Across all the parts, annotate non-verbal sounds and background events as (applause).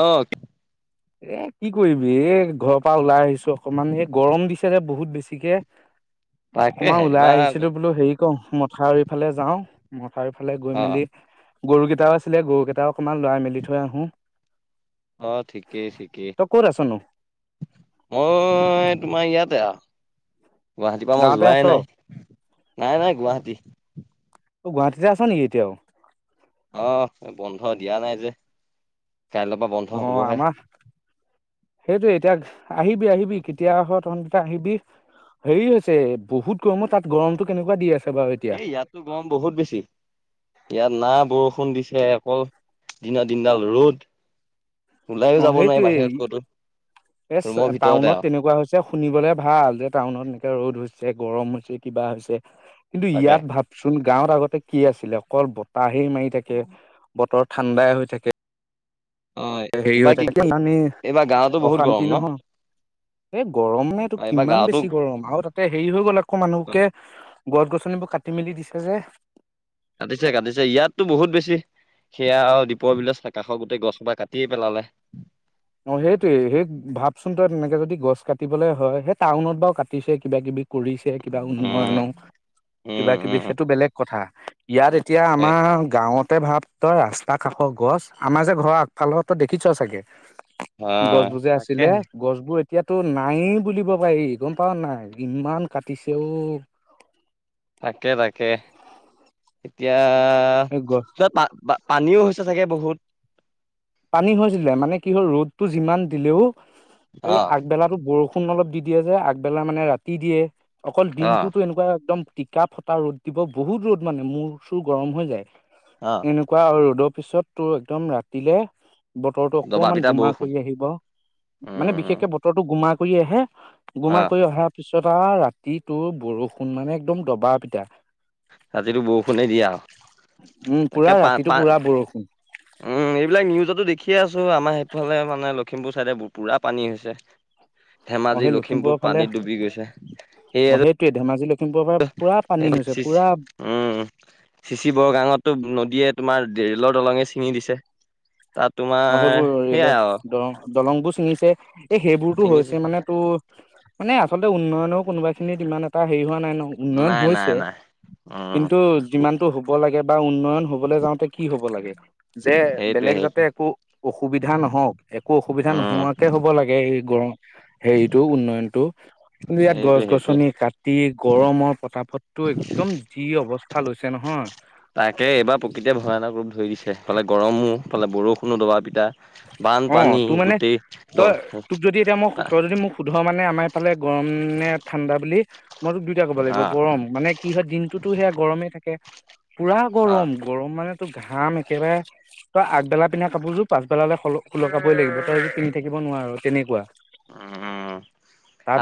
অ'। এ কি কৰিবি এই ঘৰৰ পৰা ওলাই আহিছো অকমান এই গৰম দিছে যে বহুত বেছিকে। তাকেহে অকমান ওলাই এইবাৰ আহিছিলো বোলো হেৰি। ক মথাউৰি ফালে যাও মথাউৰি ফালে গৈ অ', মেলি। গৰুকেইটাও আছিলে গৰুকেইটাও অকমান লৰাই মেলি থৈ আহো। অ' ঠিকেই ঠিকেই তই ক'ত আছনো মই তোমাৰ ইয়াতে আৰু গুৱাহাটীৰ পৰা মই গাঁৱতে আছ যোৱাই অ নাই নাই নাই গুৱাহাটী। ত গুৱাহাটীতে আছ নেকি এতিয়াও। আহ বন্ধ দিয়া নাই যে কাইলৈ পৰা বন্ধ হবহে। সেইটোয়ে এতিয়া আহিবি আহিবি কেতিয়া আহ তহ আহিবি। হেৰি হৈছে বহুত গৰমত তাত গৰমতটো কেনেকুৱা দি আছে। বাৰু এতিয়া এই ইয়াতো গৰম বহুত বেছি ইয়াত না বৰষুণ দিছে। অকল দিনা দিনডাল ৰ'দ। ওলাইও অ' যাব নোৱাৰি সেইটোৱেই। বাহিৰত ক'তো এ ৰুমৰ ভিতৰতে টাউনত আৰু তেনেকুৱা হৈছে শুনিবলে ভাল যে টাউনত এনেকে ৰ'দ হৈছে। গৰম হৈছে কিবা হৈছে কিন্তু তাকে ইয়াত ভাবচোন গাঁৱত আগতে কি আছিলে অকল বতাহেই মাৰি থাকে বতৰ ঠাণ্ডাই হৈ থাকে। অ', হেৰি এইবাৰ হৈ কি থাকে নানি এইবাৰ গাঁৱতো বহুত গৰম অশান্তি ন নহয় এ গৰম নে এইটো এইবাৰ কিমান গাঁৱতো বেছি গৰম আৰু তাতে হেৰি হৈ গ'ল আকৌ মানুহকে। গছ গছনিবোৰ কাটি মেলি দিছে যে। কাটিছে কাটিছে ইয়াততো বহুত বেছি। সেয়া আৰু দীপৰ বিল কাষৰ গোটেই গছোপা কাটিয়ে পেলালে। অ' সেইটোয়ে সেই ভাবচোন তই তেনেকে যদি গছ কাটিবলৈ হয় সেই টাউনত বাাৰু কাটিছে কিবা কিবা। কৰিছে কিবা উম উন্নয়ন উম কিবা উম কিবি উম সেইটো বেলেগ কথা। ইয়াত এতিয়া এ আমাৰ গাঁৱতে ভাব। তই ৰাস্তা কাষৰ গছ আমাৰ যে ঘৰৰ আগফালৰ তো দেখিছ চাগে। হয় গছবোৰযে আছিলে তাকেহে গছবোৰ এ এতিয়াতো নায়েই বুলিব পাৰি গম পাও নাই ইমান কাটিছে। তাকে তাকে এতিয়া এই গছ বা পানীও হৈছে চাগে বহুত। পানী হৈছিলে মানে কি হ'ল ৰ'দটো যিমান দিলেও। অ এই আগবেলাতো বৰষুণ অলপ দি দিয়ে যে আগবেলা মানে ৰাতি দিয়ে। অকল অ দিনটোতো এনেকুৱা একদম টিকা ফটা ৰ'দ দিব বহুত ৰ'দ মানে মূৰ চুৰ গৰম হৈ যায়। অ এনেকুৱা আৰু ৰ'দৰ পিছত তোৰ একদম ৰাতিলে বতৰটো দবা অকমান পিটা গোমা বৰষুণ কৰি আহিব মানে উম বিশেষকে বতৰটো গোমা কৰি আহে অ গোমা কৰি অহাৰ পিছত আৰু ৰাতি তোৰ বৰষুণ মানে একদম দবা পিটা। ৰাতিটো বৰষুণে দিয়া উম পুৰা তাকে পা ৰাতিটো পা পুৰা বৰষুণ উম এইবিলাক নিউজতো দেখিয়ে আছো আমাৰ সেইফালে মানে লখিমপুৰ চাইডে ব পুৰা পানী হৈছে। অ ধেমাজি সেই লখিমপুৰৰ লখিমপুৰ ফালে পানীত ডুবি গৈছে সেয়ে অ সেইটোৱে ধেমাজি লখিমপুৰৰ পৰা পুৰা পানী হৈছে চ পুৰা উম চিচি বৰগাঙতটো নদীয়ে তোমাৰ দেৰিলৰ দলঙে ছিঙি দিছে তাত তোমাৰ সেইয়াই আৰু দলং বোৰ ছিঙিছে এই সেইবোৰতো ছিঙিছে হৈছে মানে তো মানে আচলতে উন্নয়নৰ কোনোবা খিনিত ইমান এটা হেৰি হোৱা উন্নয়ন নাই নাই হৈছে নাই উম, কিন্তু যিমানতটো হ'ব লাগে বা উন্নয়ন হবলৈ যাওঁতে কি হ'ব লাগে যে সেইটোৱে বেলেগ যাতে সেইটোৱে একো অসুবিধা নহওক একো অসুবিধা উম, নোহোৱাকে হ'ব লাগে এই গৰম হেৰিটো উন্নয়নতটো কিন্তু ইয়াত গছ সেইটোৱে সেইটোৱে। গছনি কাটি গৰমৰ পতাপততো একদম যি অৱস্থা কা লৈছে নহয় তাকে এইবাৰ প্ৰকৃতিয়ে ভয়ানক ৰূপ ধৰিছে ইফালে গৰমো ইফালে বৰষুণো দবা পিটা অ', বানপানী তোৰ মানে গোটেই তই দল তোক যদি এতিয়া মোক আহ তই যদি মোক শুধ মানে আমাৰ ইফালে গৰম নে ঠাণ্ডা বুলি মইতোক দুয়োটাই ক'ব লাগিব গৰম মানে কি হয় দিনটোতো সেয়া গৰমেই থাকে পুৰা আহ গৰম গৰম মানে ত ঘাম একেবাৰে ত আগবেলা পিন্ধা কাপোৰযোৰ পাছবেলালৈ সুলকাবই লাগিব পিন্ধি থাকিব নোৱাৰো তেনেকুৱা উম।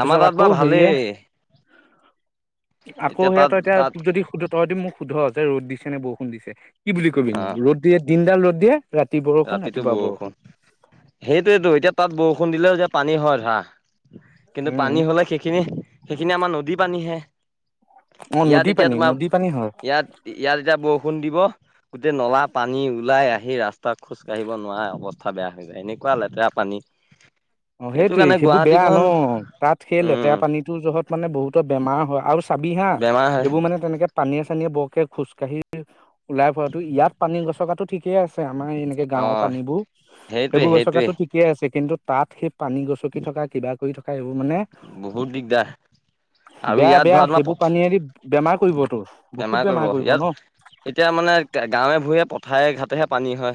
আমাৰ তাত আকৌ বাৰু ভালেই সেয়ে আকৌ সেয়া তাত তই এতিয়া তাত তোক যদি সুধ তইদি মোক সোধ যে ৰ'দ দিছে নে বৰষুণ দিছে কি বুলি কবি আহ ৰদেয়ে দিনডাল ৰদ দিয়ে ৰাতি বৰষুণ ৰাতিপুৱা বৰষুণ সেইটোয়েতো এতিয়া তাত বৰষুণ দিলেও যেতিয়া পানী হয় ধৰা কিন্তু পানী হ'লে সেইখিনি সেইখিনি আমাৰ নদী পানীহে অ ইয়াত নদী এতিয়া পানী তোমাৰ নদী পানী হয় ইয়াত, ইয়াত এতিয়া বৰষুণ দিব গোটেই নলা পানী ওলাই আহি ৰাস্তা তাক খোজ কাঢ়িব নোৱাৰে অৱস্থা বেয়া হৈ যায় এনেকুৱা লেতেৰা পানী অ সেইটো সেইটোয়ে কাৰণে সেইবোৰ বেয়া গুৱাহাটীখন ন তাত সেই লেতেৰা উম পানীটোৰ জহত মানে বহুতো বেমাৰ হয় আৰু চাবি হাঁ বেমাৰ হয় এইবোৰ মানে তেনেকৈ পানীয়ে চানীয়ে বৰকে খোজকাঢ়ি ওলাই ফুৰাটো ইয়াত পানী গছকা টো ঠিকে আছে আছে আমাৰ এনেকে অ গাঁওৰ পানীবোৰ সেইটোৱে সেইবোৰ গৈ সেইটোৱে গচকাতো ঠিকেই আছে কিন্তু তাত সেই পানী গচকি থকা কিবা কৰি থকা এইবোৰ মানে বহুত দিগদাৰ আৰু বেয়া, ইয়াত বেয়া ধৰা তোমাৰ সেইবোৰ পথ পানী এৰি বেমাৰ কৰিব তোৰ বহুত বেমাৰ কৰিব ন। ঠাই ঘাাটেহে পানী হয়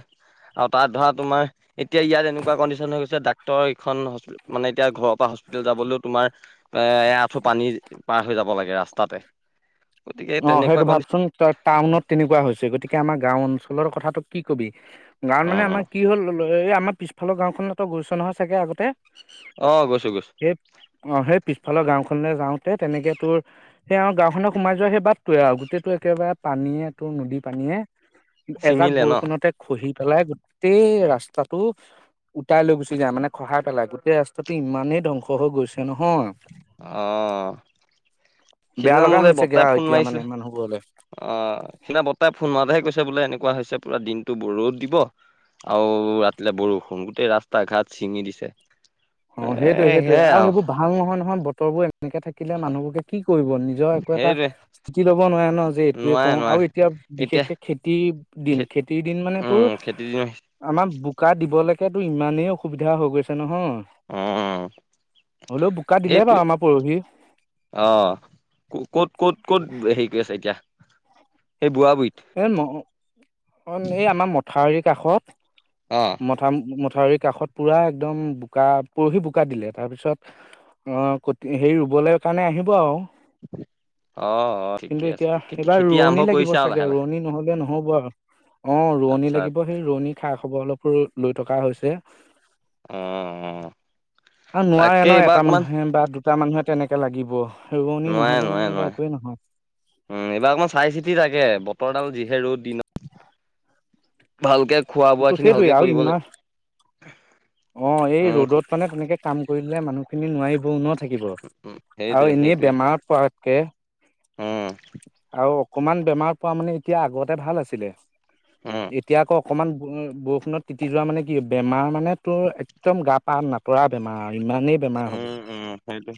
আৰু তাত ধৰা তোমাৰ এতিয়া ইয়াত এনেকুৱা কণ্ডিচন হৈ গৈছে এইখন হ্প মানে এতিয়া ঘৰৰ পৰা হস্পিতেল যাবলৈও তোমাৰ এ আঁঠু পানী পাৰ হৈ যাব যাব লাগে ৰাস্তাতে গতিকে অ', তেনেকুৱা সেইটো কণ্ডিশ্যন ভাবচোন টাউনত তেনেকুৱা হৈছে গতিকে আমাৰ গাও অঞ্চল কথাটো কি কবি গাঁৱত মানে অ অ আমাৰ কি হ'ল এই আমাৰ পিছফালৰ গাঁওখনত গৈছ নহয় চাগে আগতে অ গৈছো, গৈছো। সেই অ', সেই পিছফালৰ গাঁওখনলৈ যাওঁতে তেনেকৈ তোৰ সেই আৰু গাঁওখনত সোমাই যোৱা সেই বাট টোৱে আৰু গোটেইটো একেবাৰে পানীয়ে তোৰ নদী পানীয়ে এজাক ছিঙিলে ন বৰষুণতে খহি পেলাই গোটেই ৰাস্তাটো উটাই লৈ গুচি যায় মানে খহাই পেলাই গোটেই ৰাস্তাটো ইমানেই ধ্বংস হৈ গৈছে নহয় আহ বেয়া সিদিনা লগা মোলে হৈছেগে বৰ্তাই আৰু ফোন এতিয়া মাৰিছিলে মানে মানুহবোৰলে অ সিদিনা বৰ্তাই ফোন মৰাতেহে কৈছিল বোলে এনেকুৱা হৈছে পুৰা দিনতটো ৰত দিব। আৰু ৰাতিলে বৰষুণ গোটেই ৰাস্তা ঘাট ছিঙি দিছে। অ' সেইটোয়ে এ সেইটয়ে সেয়াই আৰু সেইবোৰ ভাল নহয় নহয় বতৰ বোৰ। এনেকে থাকিলে মানুহবোৰকে কি কৰিব নিজৰ একো এটা সেইটোৱে স্থিতি ল'ব নোৱাৰে ন যে এইটোোৱে নোৱাৰে কৰো নোৱাৰে আৰু এতিয়া। এতিয়া বিশেষকে খেতিৰ দিন খে খেতিৰ দিন মানে তোৰ উম খেতি দিন আহিছে। আমাৰ বোকা দিব লাগে। তো ইমানেই অসুবিধা হৈ গৈছে নহয়। অ হলেও বোকা দিলে বাৰু সেইটোৱে আমাৰ পৰহি। অ ক'ত ক'ত ক'ত হেৰি কৰি আছে এতিয়া (unintelligible) এ এই আমাৰ মথাউৰি কাষত অ মথা। ক চউৰি কাষত পুৰা একদম বোকা পৰহি বোকা দিলে তাৰপিছত। অ' ক হেই ৰুবলৈ কাৰণে আহিব আৰু। অ'। অ ঠিকে কিন্তু আছে এতিয়া খেতি এইবাৰ খেতি আৰম্ভ ৰোৱনি লাগিব কৰিছে আৰু চাগে লাহে লাহে ৰোৱনী নহলে নহ'ব আৰু। অ' ৰোৱনী আচ্ছা লাগিব সেই ৰোৱনী খা খবৰ অলপো লৈ থকা হৈছে। অ', অ'। আৰু নোৱাৰে ন এটা মানুহে বা দুটা মানুহে তেনেকে লাগিব। ৰোৱনি নোৱাৰে নহ'লে নোৱাৰে মানে এবাৰ নোৱাৰে, একোৱেই নহয়। উম এইবাৰ অকমান চাই চিতি লাগে বতৰ ডাল যিহে ৰ'দ দিন ভালকে খোৱা-বোৱা ত' খিনি সেইটোৱে ভালকে আৰু কৰিব ইমান লাগে। অ এই ৰ'দত মানে তেনেকে কাম কৰিলে মানুহখিনি নোৱাৰিব ন। থাকিব আৰু সেইটোৱে এনেই সেইটোৱে বেমাৰত পৰাত কে উম আৰু অকমান বেমাৰত পৰা মানে এতিয়া আগতে ভাল আছিলে। উম এতিয়া আকৌ অকমান উম, বৰষুণত তিতি যোৱা মানে কি বেমাৰ মানে পাৰ নপৰা বেমাৰ। ইমানেই বেমাৰ হ'ব উম, উম সেইটো।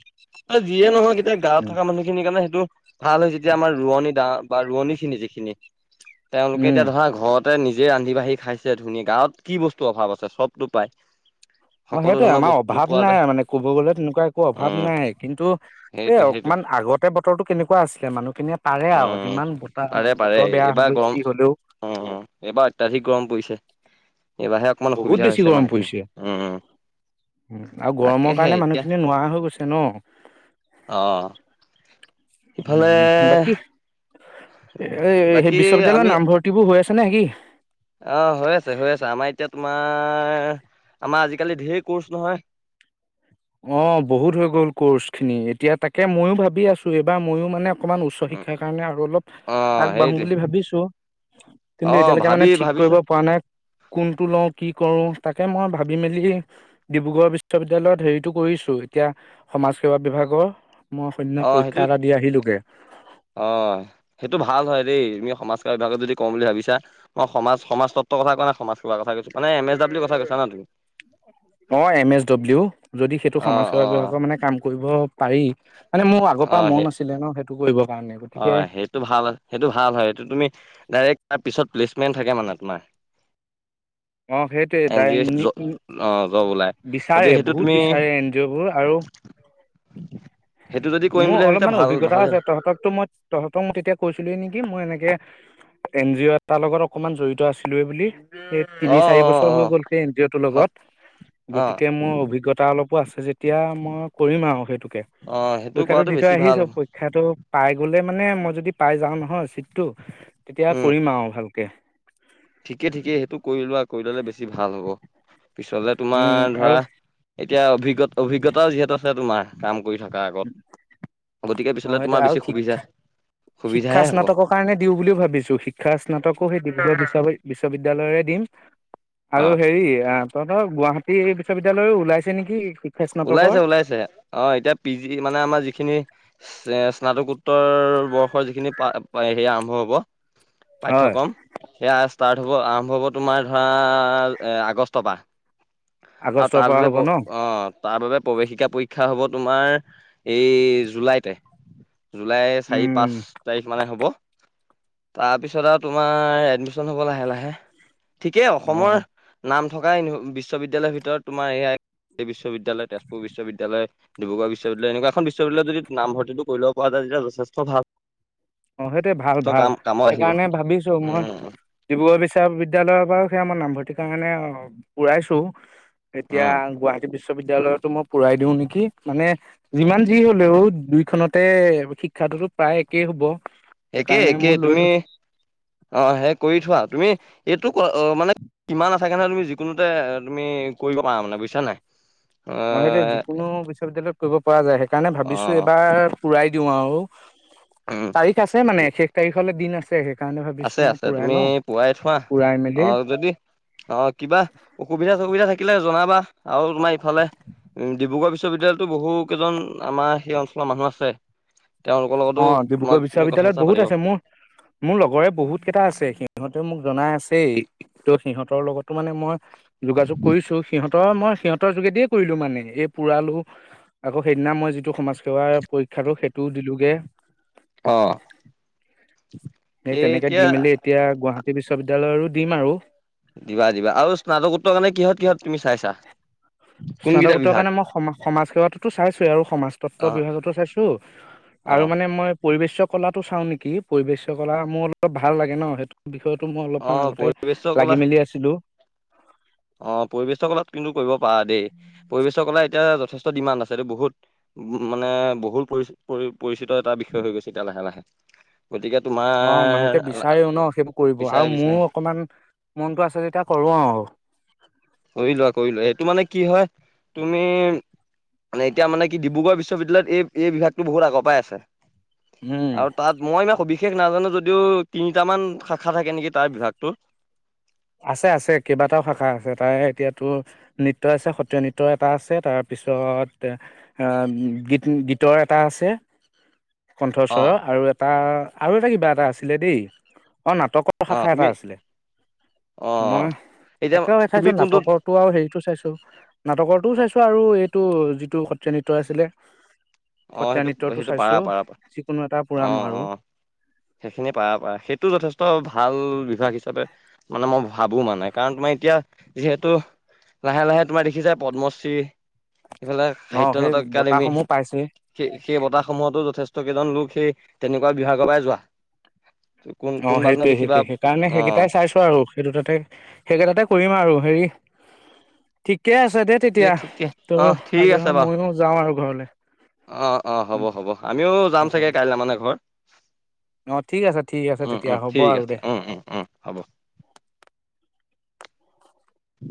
যিয়ে নহক এতিয়া গাঁৱত থকা মানুহখিনিৰ কাৰণে সেইটো ভাল হয়। যেতিয়া আমাৰ ৰোৱনী দা বা ৰোৱনী খিনি যিখিনি উম তেওঁলোকে উম এতিয়া ধৰা ঘৰত তাতে নিজে ৰান্ধি বাঢ়ি খাইছে ধুনীয়াকৈ। গাঁৱত কি বস্তু অভাৱ আছে চবটো পাই। অ' সেইটোৱে আমাৰ অভাৱ নাই মানে। ক'ব গ'লে তেনেকুৱা একো অভাৱ উম নাই। কিন্তু এই সেইটোৱে সেইটোৱে অকমান আগতে বতৰটো কেনেকুৱা আছিলে মানুহখিন মানে পাৰে আৰু উম যিমান বতাহ পাৰে পাৰে বতৰ বেয়া এইবাৰ হলেও গৰম যি হলেও। উম এইবাৰ অত্যাধিক গৰম পৰিছে। এইবাৰহে অকমান বহুত অসুবিধা বছি হৈছে গৰম মানুহখিনি পৰিছে। উম আৰু গৰমৰ তাকেহে কাৰণে এতিয়া মানুহখিনিয়ে নোৱাৰা হৈ গৈছে ন। অ সিফালে উম, বাকী এ সেই বাকী বিশ্ববিদ্যালয়ত আমি নামভৰ্তিবোৰ হৈ আছে নেকি? অ' হৈ আছে, হৈ আছে আমাৰ এতিয়াটো তোমাৰ আমাৰ আজিকালি ঢেৰ কৰ্চ নহয়। অ' বহুত হৈ গ'ল কৰ্চ খিনি। এতিয়া তাকে ময়ো ভাবি আছো এইবাৰ ময়ো মানে অকমান উচ্চ শিক্ষাৰ কাৰণে আৰু অলপ অ আগবাঢ়ো সেইটোৱে বুলি ভাবিছো। অ কিন্তু এতিয়ালৈকে ভাবি মানে ঠিক কৰিব ভাবিছা পৰা নাই কোনটো লওঁ কি কৰো? তাকে মই ভাবি মেলি ডিব্ৰুগড় বিশ্ববিদ্যালয়ত হেৰিত টো কৰিছো এতিয়া সমাজ সেৱা বিভাগৰ। মই সৈদিনা অ' পৰীক্ষা সেইটো এটা দি আহিলোগে অ' সেইটো ভাল হয় দেই। সমাজসেৱা বিভাগত যদি কৰো বুলি ভাবিছা। মই সমাজ সমাজতত্ত্ব কথা কোৱা নাই সমাজ সেৱা কথা কৈছো। নাই এম এছ ডাব্লিউ ৰ কথা কৈছা ন তুমি? অ' এম এছ ডব্লিউ যদি সেইটো অ সমাজ সেৱা অ বিভাগৰ মানে কাম কৰিব পাৰি মানে মোৰ আগৰ অ পৰা মন সেই আছিলে ন সেইটো কৰিব। অ' সেইটো ভাল, সেইটো ভাল হয় সেইটো তুমি ডাইৰেক্ট তাৰ পিছত প্লেজ মেন থাকে মানে তোমাৰ। অ' সেইটোৱে এন জি দায় অ' জ (unintelligible) জব ওলাই বিচাৰে গতিকে সেইটো বহুত তুমি বিচাৰে এন জি অ' বোৰ আৰু সেইটো যদি কৰিম মোৰ বুলি ভাবিছা অলপমান ভাল অভিজ্ঞতা ভালে আছে তহঁতকতো মই তহঁতক মই তেতিয়া কৈছিলো য়ে নেকি? মই এনেকে এন জি অ' এ তাৰ লগত অকণমান জড়িত আছিলোৱে বুলি। অ অ তিনি চাৰি বছৰ অ হৈ গ'ল সেই এন জি অ' টোৰ হয় লগত। অ গতিকে মোৰ অভিজ্ঞতা অলপ আছে যে এতিয়া মই কৰিম আৰু সেইটোকে। অ সেইটো পৰীক্ষাটো কৰাটো দি থৈ বেছি ভাল আহিছো হ'ব পৰীক্ষাটো পাই গ'লে মানে মই যদি পাই যাওঁ নহয় চিটটো তেতিয়া উম কৰিম আৰু ভালকে। ঠিকে, ঠিকে সেইটো কৰিলোৱা আৰু কৰি ল'লে বেছি ভাল হব। পিছলে উম তোমাৰ ধৰা আৰু এতিয়া অভিজ্ঞ অভিজ্ঞতাও যিহেতু আছে তোমাৰ কাম কৰি থকা আগত গতিকে অ পিছলে সেইটো তোমাৰ আৰু বেছি শিক্ষা সুবিধা শিক্ষা সুবিধাহে হ'ব স্নাতকৰ কাৰণে দিও বুলিও ভাবিছো। শিক্ষা স্নাতকো সেই ডিব্ৰুগড়ৰ বিশ্ববিদ্যালয় বিশ্ববিদ্যালয় ৰে দিম অ আৰু হেৰি ধৰক গুৱাহাটী বিশ্ববিদ্যালয়ও ওলাইছে নেকি? স্নাতকৰ ওলাইছে, ওলাইছে অ' এতিয়া পি জি মানে আমাৰ যিখিনি স্নাতকোত্ত সত্তৰ বৰ্ষৰ যিখিনি হে আৰম্ভ হব হয় পাঠ্্যক্ৰম সেয়া ষ্টাৰ্ট হ'ব আৰম্ভ হ'ব তোমাৰ ধৰা আগষ্টৰ পৰা আৰু আগষ্টৰ তাৰ পৰা হ'ব বাবে ন অঁ তাৰ বাবে প্ৰৱেশিকা পৰীক্ষা হব তোমাৰ এই জুলাইতে জুলাই চাৰি পাঁচ উম তাৰিখ মানে হ'ব তাৰপিছত আৰু তোমাৰ এডমিশন হব লাহে লাহে ঠিকেই অসমৰ অ নাম থকা বিশ্ববিদ্যালয়ৰ ভিতৰত তোমাৰ এইয় বিশ্ববিদ্যয় তেজপুৰ বিশ্ববিদ্যালয় ডিব্ৰুগ় বিশ্ববিদালয় এনেকুৱ এখন বিশবি্যালয়ত যদি নামৰ্তিটো কৰিব পৰা যতি যথ স্বভাৱ অ সেইটোোৱে ভাল ভাল আহিব সেইকাৰণে ভাবিছো মই উম দিব বিচাৰ বিশ্ববিদ্্যালয়ৰ পৰাাৰু সেয়া মই নামভৰ্তিৰ কাৰণে পুৰাইছো এতিয়া উম গুৱাহাটী বিশ্ববিদ্য়ালয়তো মই পূৰাই দিও নেকি মানে যিমান যি হলেও দুইখনতে শিক্ষা পটোতো প্ৰায় একেই হ'ব একেই সেইকাৰণে একে মই লৈ তুমি লো অ সেই কৰি থোৱা তুমি এই মানে কিমান আছোক কাৰণহ তুমি যিকোনোতে তুমি কৰিব পাৰা মানে বুজছা নাই নহ সেইটো যিকোনো বিশ্ববিদ্য়ালয়ত কৰিব পৰা যায় সেইকাৰণে অ ভাবিছো এইবাৰ পুৰাই দিও আৰু উম তাৰিখ আছে মানে শেষ তাৰিখলে দিন আছে শেষ আছে আছে তুমি পোৱাই থোৱা পুৰাই অ মেলি যদি অ কিবা অসুবিধা সুবিধা থাকিলে জনাবা আৰু তোমাৰ ইফালে উম ডিব্ৰুগড় বিশ্ববিদ্যালয়তো বহু কেইজন আমাৰ সেই অঞ্চলৰ মানুহ আছে তেওঁলোকৰ লগতো অ তোমাক ডিব্ৰুগড় তুমি কথা বিশ্ববিদ্য়ালয়ত চথা বহুত পাতিব আছে মোৰ মোৰ লগৰে বহুত কেইটা আছে সিহঁতেও মোক জনা আছেই ত সিহঁতৰ লগতো মানে মই যোগাযোগ কৰিছো সিহঁতৰ মই সিহঁতৰ যোগেদিয়ে কৰিলো মানে এই পুৰালো আকৌ সেইদিনা মই যিটো সমাজ সেৱা পৰীক্ষাটো সেইটো দিলোগে আহ স তেনেকে দি মেলি এতিয়া গুৱাহাটী বিশ্ববিদ্যয়ালয়ৰো দিম আৰু দিবা দিবা আৰু স্নাতকোত্তৰ কাৰণে কিহত কিহত তুমি চাইছা কোনকেইটা স্নাতকোত্তৰ বিভাগ কাৰণে মই সম সমাজ সেৱাতটোতো চাইছোৱেই আৰু সমাজ অ তত্ব বিভাগতো চাইছো অ আৰু মানে মই পৰিৱেশ কলাটো চাওঁ নেকি পৰিৱেশ কলা মোৰ অলপ ভাল লাগে ন সেইটো বিষয়ত টো মই অ অলপমান আগতে পৰিৱেশ কলা লাগি মেলি আছিলো অ পৰিৱেশৰ কলাত কিন্তু কৰিব পাৰা দেই পৰিবেশৰ কলে এতিয়া যথেষ্ট ডিমাণ্ড আছে এইটো বহুত উ মানে বহত পৰি পৰি পৰিচিত এটা বিষয় হৈ গৈছে এতিয়া লাহে লাহে গতিকে অ' তোমাৰ মানুহকে বিচাৰেও ন সেইবোৰ কৰিব বিচাৰে আৰু বিচাৰে মোৰ অকমান। মনটো আছে তেতিয়া কৰো আৰু। কৰি লোৱা কৰি লোৱা সেইটো মানে কি হয় তুমি মানে এতিয়া মানে কি ডিব্ৰুগড় বিশ্ববিদ্যালয়ত এই বিভাগতটো বহুত আগৰ পৰাই আছে। উম আৰু তাত মই ইমান সবি বিশেষ নাজানো যদিও তিনিটামান শাখা থাকে নেকি তাৰ বিভাগটো। আছে আছে কেইবাটাও শাখা আছে তাৰে এতিয়াাতো নৃত্য আছে সত্ৰীয়া নৃত্য এটা আছে তাৰপিছত। তাৰ পিছত গীত গীতৰ এটা আছে। অ কণ্ঠস্বৰ আৰু এটা আৰু এটা কিবা এটা আছিলে দেই। অ' নাটকৰ অ শাখা এটা তুমি আছিলে। অ অ মই এতিয়া একে তুমি খাইছো কোনটোত নাটকৰো আৰু হেৰিটো। চাইছো নাটকৰটোও চাইছো আৰু এইটো যিটো সত্ৰীয়া নৃত্য আছিলে। অ' সত্ৰীয়া সেইটো নৃত্যটো সেইটো চাইছো পাৰা পাৰা যিকোনো এটা পুৰাম অ' আৰু অ'। সেইখিনি পাৰা পাৰা সেইটো যথেষ্ট ভাল। বিভাগ হিচাপে মানে মই ভাবো মানে কাৰণ তোমাৰ এতিয়া যিহেতু। লাহে লাহে তোমাৰ দেখিছা পদ্মশ্ৰী এইফালে অ সাহিত্য সেই নাটক একাডেমী। বঁটাসমূহ পাইছে সেই সেই বতাহ সমূহতো যথেষ্ট কেইজন লোক সেই তেনেকুৱা বিভাগৰ পৰাই যোৱা। কোন অ কোনোবা এজনক সেইটোৱয়ে দেখিবা সেইটোৱে সেইকাৰণে অ সেইকেইটাই চাইছো আৰু সেইটো তাতে সেইকেইটাতে কৰিম আৰু হেৰি ঠিকে আছে দেই এই তেতিয়া ঠিকে অ তোৰ ঠিক আছে আজৰিও বাৰু ময়ো যাও আৰু ঘৰলে অ অ হ'ব উম হ'ব আমিও যাম হ'ব চাগে কাইলৈ মানে ঘৰ অ ঠিক আছে ঠিক আছে উম তেতিয়া উম হ'ব ঠিক আৰু আছে দে উম উম উম হ'ব উ